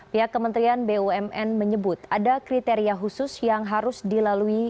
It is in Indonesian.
pihak kementerian bumn menyebut ada kriteria khusus yang harus dilalui